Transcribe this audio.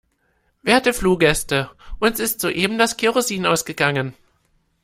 Werte Fluggäste, uns ist soeben das Kerosin ausgegangen.